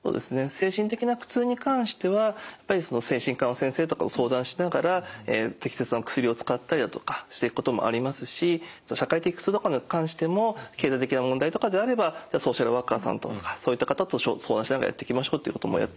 精神的な苦痛に関しては精神科の先生とかと相談しながら適切な薬を使ったりだとかしていくこともありますし社会的苦痛とかに関しても経済的な問題とかであればソーシャルワーカーさんととかそういった方と相談しながらやっていきましょうということもやっていきます。